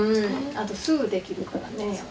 あとすぐできるからねやっぱ。